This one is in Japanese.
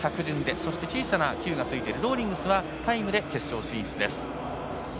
そして小さなｑがついているローリングスはタイムで決勝進出。